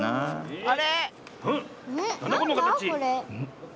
あれ？